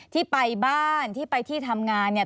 ที่ไปบ้านที่ไปที่ทำงานเนี่ย